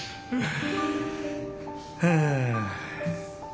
はあ。